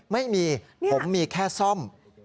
ไม่มีผมมีแค่ซ่อม